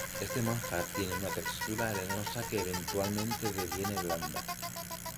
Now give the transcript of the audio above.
Este manjar tiene una textura arenosa que eventualmente deviene blanda.